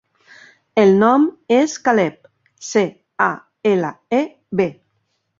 El nom és Caleb: ce, a, ela, e, be.